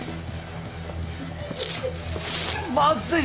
まずい。